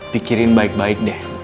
pikirin baik baik deh